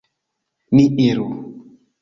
Ni iru!